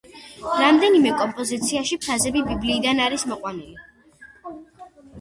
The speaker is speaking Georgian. რამდენიმე კომპოზიციაში ფრაზები ბიბლიიდან არის მოყვანილი.